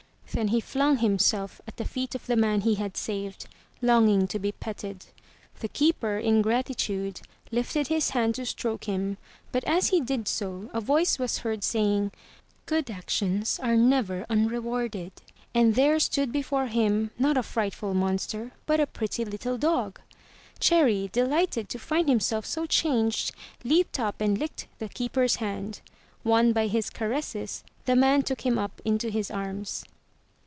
Then he flung himself at the feet of the man he had saved, longing to be petted. The keeper, in gratitude, lifted his hand to stroke him, but as he did so, a voice was heard saying, "Good actions are never imrewarded,'* and there stood before him, not a frightful monster, but a pretty little dog. 333 MY BOOK HOUSE Cherry, delighted to find himself so changed, leaped up and licked the keeper's hand. Won by his caresses, the man took him up into his arms.